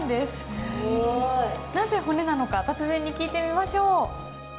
すごい。なぜ骨なのか達人に聞いてみましょう。